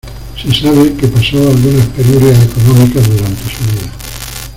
Se sabe que pasó algunas penurias económicas durante su vida.